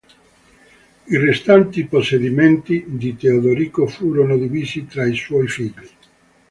I restanti possedimenti di Teodorico furono divisi tra i suoi figli.